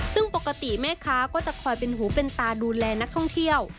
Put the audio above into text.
ซึ่งปกติแม่ค้าก็จะคอยเป็นหูเป็นตาดูแลนักท่องเที่ยว